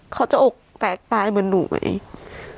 เขาจะอกแตกตายเหมือนหนูไหม